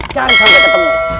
jangan sampai ketemu